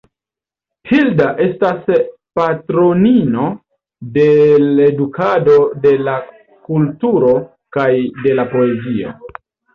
Hilda estas patronino de l’edukado, de la kulturo kaj de la poezio.